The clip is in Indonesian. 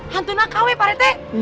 hantu nakawe parete